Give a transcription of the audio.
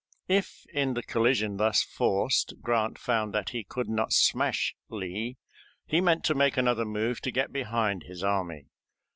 If in the collision thus forced Grant found that he could not smash Lee, he meant to make another move to get behind his army.